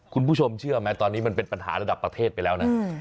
คุณผู้ชมเชื่อไหมตอนนี้มันเป็นปัญหาระดับประเทศไปแล้วนะ